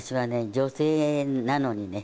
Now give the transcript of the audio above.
女性なのにね